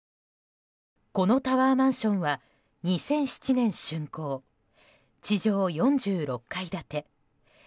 このタワーマンションは２００７年竣工地上４６階建て。